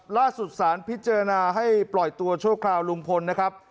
ล่าสุดสารพิจารณาให้ปล่อยตัวชั่วคราวลุงพลนะครับ